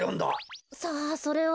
さあそれは。